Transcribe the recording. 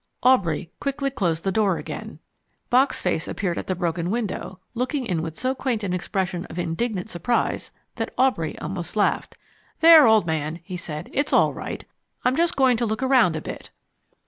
Aubrey quickly closed the door again. Bock's face appeared at the broken window, looking in with so quaint an expression of indignant surprise that Aubrey almost laughed. "There, old man," he said, "it's all right. I'm just going to look around a bit."